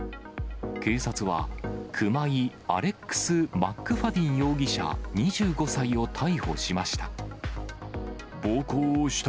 警察は、熊井・アレックス・マックファディン容疑者２５歳を逮捕しました。